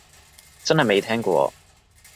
真係未聽過